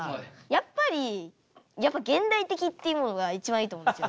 やっぱりやっぱ現代的っていうものが一番いいと思うんですよ。